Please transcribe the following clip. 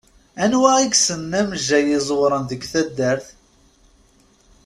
Anwa i yessnen amejjay iẓewṛen deg taddart?